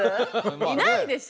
いないでしょう？